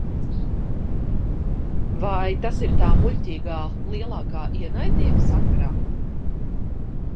"Vai tas ir tā muļķīgā "lielākā ienaidnieka" sakarā?"